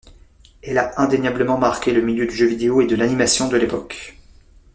Elle a indéniablement marqué le milieu du jeu vidéo et de l'animation de l'époque.